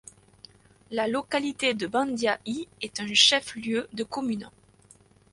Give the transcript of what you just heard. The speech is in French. La localité de Bandiahi est un chef-lieu de commune.